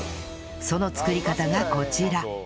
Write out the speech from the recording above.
その作り方がこちら